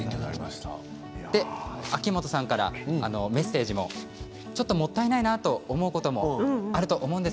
秋元さんからメッセージもちょっともったいないなと思うこともあると思うんです。